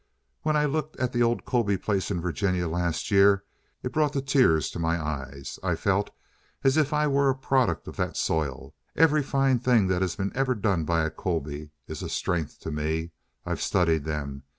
When I looked at the old Colby place in Virginia last year, it brought the tears to my eyes. I felt as if I were a product of that soil. Every fine thing that has ever been done by a Colby is a strength to me. I've studied them.